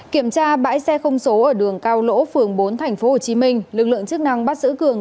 kiểm tra bãi xe không số ở đường cao lỗ phường bốn tp hcm lực lượng chức năng bắt giữ cường